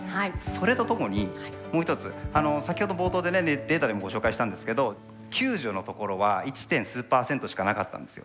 それとともにもう一つ先ほど冒頭でねデータでもご紹介したんですけど「救助」のところは１点数％しかなかったんですよ。